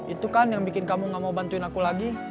itu kan yang bikin kamu gak mau bantuin aku lagi